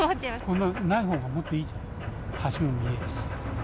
こんなん、ないほうがもっといいじゃん、橋も見えるし。